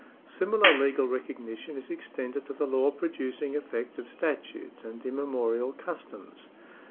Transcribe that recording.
Similar legal recognition is extended to the law producing effect of statutes and immemorial customs.